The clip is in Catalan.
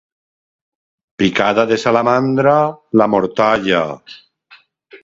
Picada de salamandra, la mortalla.